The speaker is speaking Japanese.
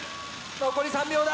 残り３秒だ！